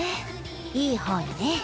いい方にね。